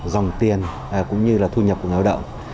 dòng tiền cũng như là thu nhập của ngành hoạt động